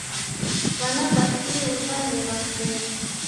W'ana w'a kiw'a w'alelwa ni mbeo.